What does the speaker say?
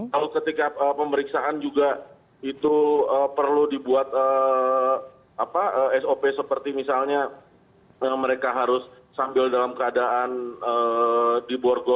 kalau ketika pemeriksaan juga itu perlu dibuat sop seperti misalnya mereka harus sambil dalam keadaan di borgo